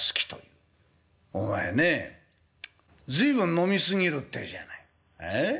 「お前ねえ随分飲み過ぎるってえじゃないええ？